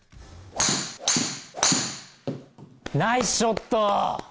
ナイスショット。